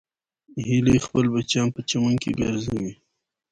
هیلۍ خپل بچیان په چمن کې ګرځوي